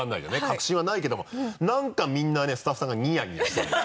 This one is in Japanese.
確信はないけども何かみんなねスタッフさんがニヤニヤしてるの。